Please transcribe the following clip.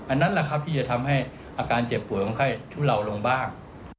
นั่นแหละครับที่จะทำให้อาการเจ็บป่วยของไข้ทุเลาลงบ้าง